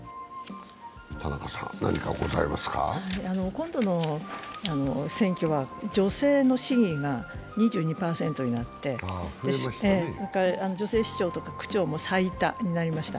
今度の選挙は女性の市議が２２％になって女性市長とか区長も最多になりました。